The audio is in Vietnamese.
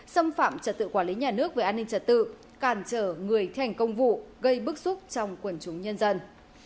xâm phạm trật tự quản lý nhà nước về an ninh trật tự càn trở người thành công vụ gây bức xúc trong quần chúng nhân dân